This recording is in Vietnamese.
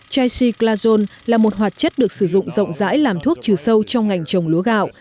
tricyclazone là một hoạt chất được sử dụng rộng rãi làm thuốc trừ sâu trong ngành trồng lúa gạo